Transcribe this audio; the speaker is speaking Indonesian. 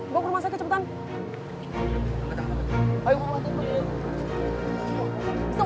bawa ke rumah sakit kecepatan